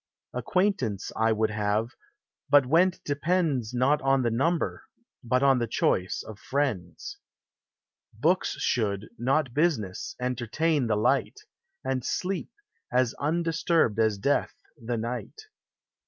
Acquaintance I would have, but when 't depends Not on the number, but the choice, of friends. Books should, not business, entertain the light, And sleep, as undisturbed as death, the night.